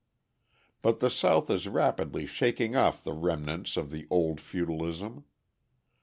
But the South is rapidly shaking off the remnants of the old feudalism.